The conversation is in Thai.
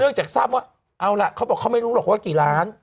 จากทราบว่าเอาล่ะเขาบอกเขาไม่รู้หรอกว่ากี่ล้าน